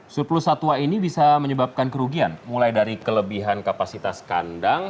surplus satwa ini bisa menyebabkan kerugian mulai dari kelebihan kapasitas kandang